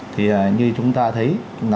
thì như chúng ta thấy